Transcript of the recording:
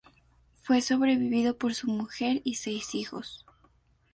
Fue sobrevivido por su mujer y seis hijos.